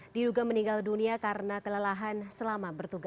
diduga meninggal dunia karena kelelahan selama bertugas